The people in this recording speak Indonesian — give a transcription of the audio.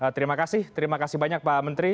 terima kasih terima kasih banyak pak menteri